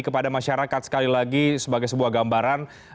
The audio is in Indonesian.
kepada masyarakat sekali lagi sebagai sebuah gambaran